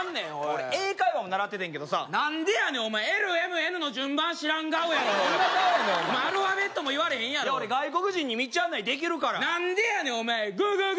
俺英会話も習っててんけどさ何でやねんお前ＬＭＮの順番知らん顔やろどんな顔やねんお前アルファベットも言われへんやろ外国人に道案内できるから何でやねんお前ゴーゴー